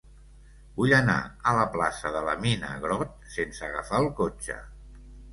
Vull anar a la plaça de la Mina Grott sense agafar el cotxe.